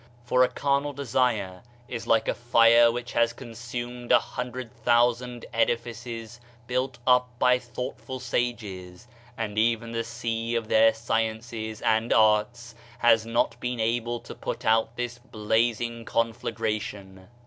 For carnal desire is like a fire which has con sumed a himdred thousand edifices built up by thoughtful sages ; and even the sea of their sciences and arts has not been able to put out this blazing conflagration.